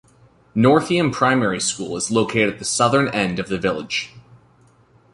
Northiam Primary school is located at the southern end of the village.